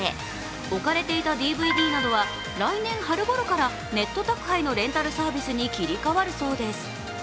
置かれていたＤＶＤなどは来年春ごろからネット宅配のレンタルサービスに切り替わるそうです。